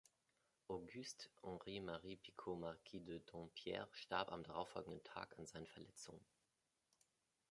Auguste Henri Marie Picot, marquis de Dampierre starb am folgenden Tag an seinen Verletzungen.